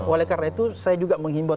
oleh karena itu saya juga menghimbau